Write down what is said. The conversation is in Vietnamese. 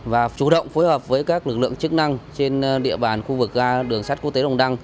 và chủ động phối hợp với các lực lượng chức năng trên địa bàn khu vực đường sắt quốc tế đồng đăng